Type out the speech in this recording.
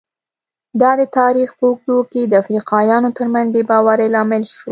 دا د تاریخ په اوږدو کې د افریقایانو ترمنځ بې باورۍ لامل شوي.